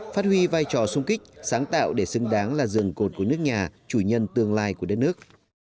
phát huy vai trò sung kích sáng tạo để xứng đáng là rừng cột của nước nhà chủ nhân tương lai của đất nước